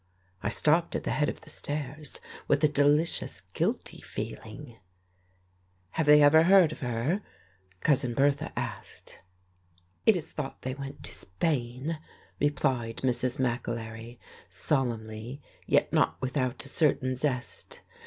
I stopped at the head of the stairs, with a delicious, guilty feeling. "Have they ever heard of her?" Cousin Bertha asked. "It is thought they went to Spain," replied Mrs. McAlery, solemnly, yet not without a certain zest.